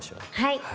はい。